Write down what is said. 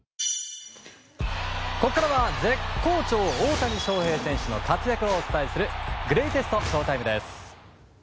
ここからは絶好調大谷翔平選手の話題をお伝えするグレイテストＳＨＯ‐ＴＩＭＥ！